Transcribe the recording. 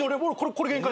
これ限界。